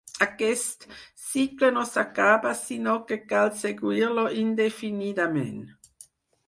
Aquest cicle no s'acaba sinó que cal seguir-lo indefinidament.